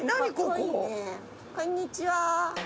こんにちは。